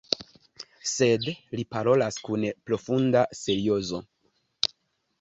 Sed li parolas kun profunda seriozo.